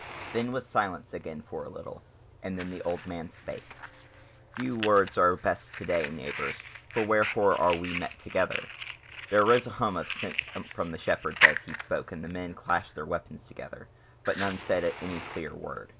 Then was silence again for a little, and then the old man spake: "Few words are best to day, neighbours; for wherefore are we met together?" There arose a hum of assent from the Shepherds as he spoke and men clashed their weapons together; but none said any clear word.